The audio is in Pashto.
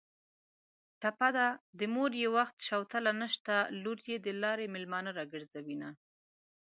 ټپه ده: د مور یې وخت شوتله نشته لور یې د لارې مېلمانه راګرځوینه